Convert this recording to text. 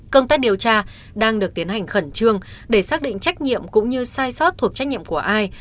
công tác điều tra đang được tiến hành khẩn trương để xác định trách nhiệm cũng như sai sót thuộc trách nhiệm của ai